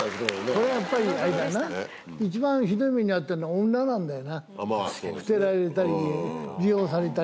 これはやっぱりあれだな一番ひどい目に遭ってるのは女なんだよな捨てられたり利用されたり。